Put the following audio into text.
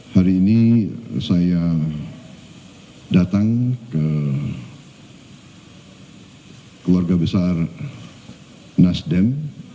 hari ini saya datang ke keluarga besar nasdem